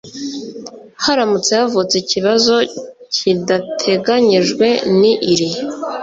Haramutse havutse ikibazo kidateganyijwe n iri